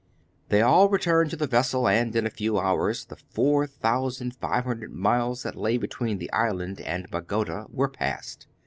They all returned to the vessel, and in a few hours the four thousand five hundred miles that lay between the island and Bagota were passed.